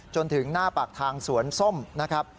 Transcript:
จนถึงหน้าปากทางสวนส้มนะครับ